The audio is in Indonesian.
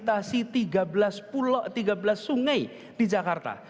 tapi lewat rehabilitasi tiga belas pulau tiga belas sungai di jakarta